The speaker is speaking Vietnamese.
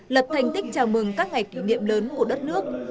lập thành tích chào mừng các ngày kỷ niệm lớn của đất nước